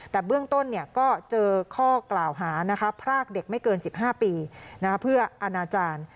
แต่เบื้องต้นก็เจอข้อกล่าวหาพรากเด็กไม่เกิน๑๕ปีเพื่ออนาจารย์